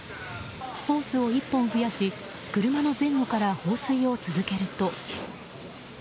ホースを１本増やし車の前後から放水を続けると。